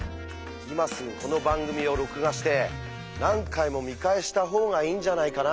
今すぐこの番組を録画して何回も見返した方がいいんじゃないかな。